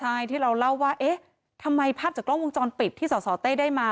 ใช่ที่เราเล่าว่าเอ๊ะทำไมภาพจากกล้องวงจรปิดที่สสเต้ได้มา